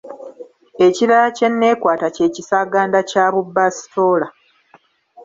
Ekirala kye neekwata kye kisaaganda kya bubasitoola.